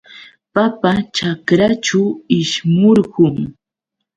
Papa ćhakraćhu ishmurqun.